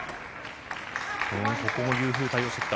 ここもユー・フー対応してきた。